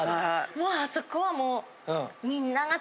もうあそこはもう。